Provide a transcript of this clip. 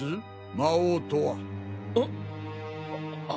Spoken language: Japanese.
魔王とは？